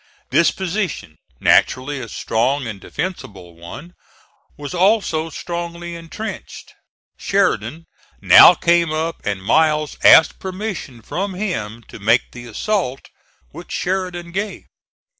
This position, naturally a strong and defensible one, was also strongly intrenched. Sheridan now came up and Miles asked permission from him to make the assault, which Sheridan gave.